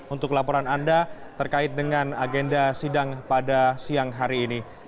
untuk laporan anda terkait dengan agenda sidang pada siang hari ini